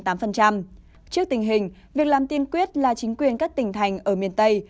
trước tình hình việc làm tiên quyết là chính quyền các tỉnh thành ở miền tây